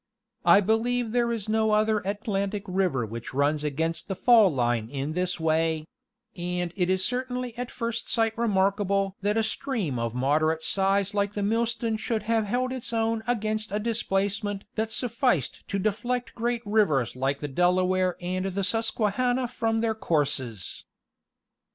I believe there is no other Atlantic river which runs against the fall line in this way ; and it is certainly at first sight remarkable that a stream of moderate size like the Millstone should have held its own against a displace ment that sufficed to deflect great rivers like the Delaware and the Susquehanna from their courses.